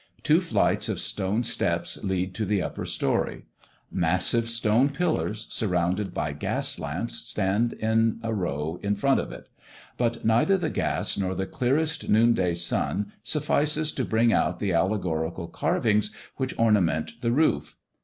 Two flights of stone steps lead to the upper story; massive stone pillars surrounded by gas lamps stand in a row in front of it, but neither the gas nor the clearest noonday sun suffices to bring out the allegorical carvings which ornament the roof.